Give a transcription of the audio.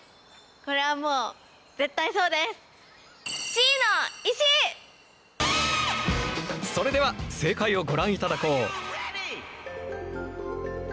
これはもうそれでは正解をご覧いただこう。